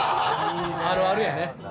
あるあるやね。